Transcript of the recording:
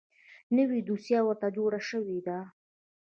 نوې دوسیه ورته جوړه شوې ده .